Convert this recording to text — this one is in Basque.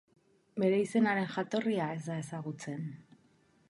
Bere izenaren jatorria, ez da ezagutzen.